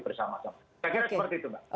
bersama sama saya kira seperti itu mbak